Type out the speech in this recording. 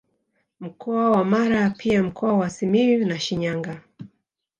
Mkoa wa Mara pia Mkoa wa Simiyu na Shinyanga